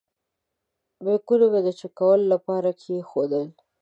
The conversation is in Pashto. بیکونه مې د چېک کولو لپاره کېښودل.